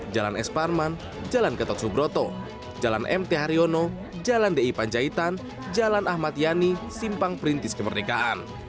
jalan es parman jalan ketot subroto jalan mt haryono jalan di panjaitan jalan ahmad yani simpang perintis kemerdekaan